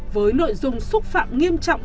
với nội dung xúc phạm nghiêm trọng